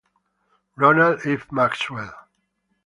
Ronald F. Maxwell